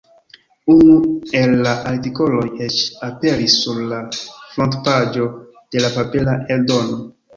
Unu el la artikoloj eĉ aperis sur la frontpaĝo de la papera eldono.